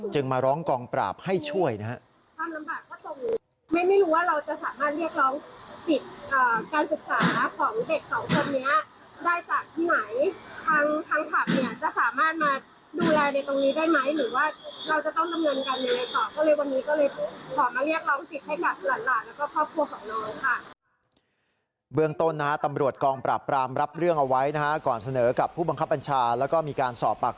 จึงมาร้องกองปราบให้ช่วยนะฮะ